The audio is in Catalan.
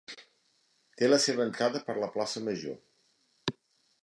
Té la seva entrada per la plaça major.